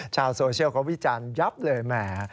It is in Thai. ชาวโซเชียลเขาวิจารณ์ยับเลยแหม